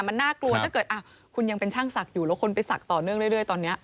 มันน่ากลัวถ้าเกิดคุณยังเป็นช่างศักดิ์อยู่แล้วคนไปศักดิ์ต่อเนื่องเรื่อยตอนนี้